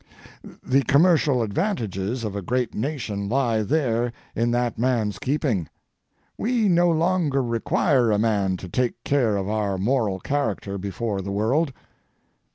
The commercial advantages of a great nation lie there in that man's keeping. We no longer require a man to take care of our moral character before the world.